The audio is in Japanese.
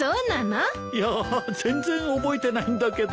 いや全然覚えてないんだけど。